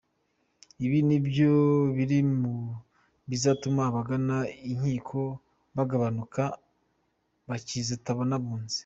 Ibi nabyo biri mu bizatuma abagana inkiko bagabanuka, bakitabaza Abunzi.